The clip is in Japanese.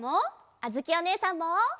あづきおねえさんも！